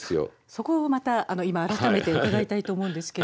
そこをまた今改めて伺いたいと思うんですけれども。